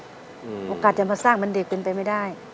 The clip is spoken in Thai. โอกาสจะมาสร้างเป็นเด็กเป็นไปไม่ได้